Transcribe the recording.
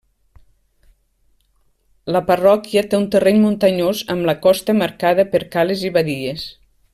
La parròquia té un terreny muntanyós, amb la costa marcada per cales i badies.